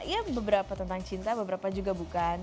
ya beberapa tentang cinta beberapa juga bukan